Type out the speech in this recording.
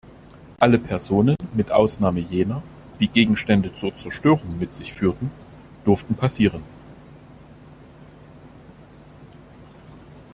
Alle Personen mit Ausnahme jener, die Gegenstände zur Zerstörung mit sich führten, durften passieren.